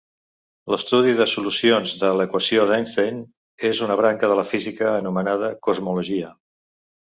L'estudi de solucions de l'equació d'Einstein és una branca de la física anomenada cosmologia.